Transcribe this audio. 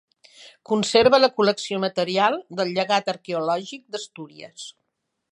Conserva la col·lecció material del llegat arqueològic d'Astúries.